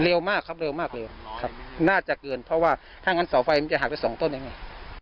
มากครับเร็วมากเลยครับน่าจะเกินเพราะว่าถ้างั้นเสาไฟมันจะหักไปสองต้นยังไง